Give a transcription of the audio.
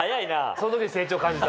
その時に成長を感じた。